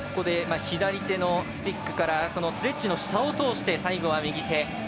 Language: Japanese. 左手のスティックからスレッジの下を通して最後は右手。